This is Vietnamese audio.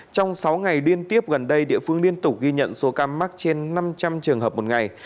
trong sáu ngày liên tiếp gần đây địa phương liên tục ghi nhận số ca mắc trên năm trăm linh trường hợp một ngày